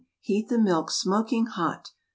Heat the milk smoking hot. 2.